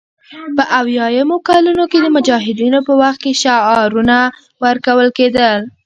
په اویایمو کلونو کې د مجاهدینو په وخت کې شعارونه ورکول کېدل